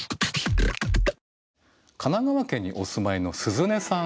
神奈川県にお住まいのすずねさん。